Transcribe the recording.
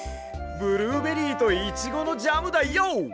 ブルーベリーとイチゴのジャムだＹＯ！